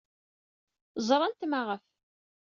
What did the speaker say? Ẓrant maɣef.